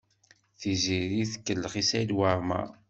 Tiziri tkellex i Saɛid Waɛmaṛ.